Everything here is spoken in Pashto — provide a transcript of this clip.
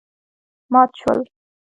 مات شول.